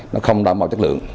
nó không đảm bảo chất lượng